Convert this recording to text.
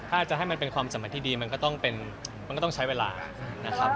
ถ้าจะให้มันเป็นความสัมพันธ์ที่ดีมันก็ต้องเป็นมันก็ต้องใช้เวลานะครับ